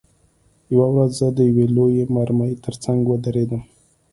یوه ورځ زه د یوې لویې مرمۍ ترڅنګ ودرېدم